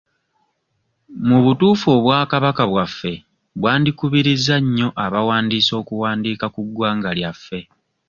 Mu butuufu obwakabaka bwaffe bwandikubirizza nnyo abawandiisi okuwandiika ku ggwanga lyaffe.